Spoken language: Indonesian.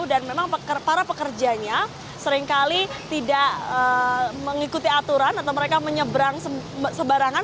dan memang para pekerjanya seringkali tidak mengikuti aturan atau mereka menyebrang sebarangan